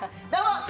どうも！